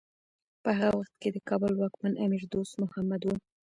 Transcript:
په هغه وخت کې د کابل واکمن امیر دوست محمد و.